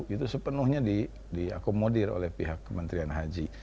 itu sepenuhnya diakomodir oleh pihak kementerian haji